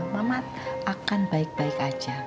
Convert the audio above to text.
mamat akan baik baik aja